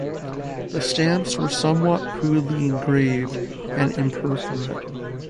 The stamps were somewhat crudely engraved and imperforate.